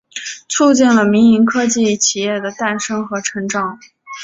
促进了民营科技企业的诞生和成长。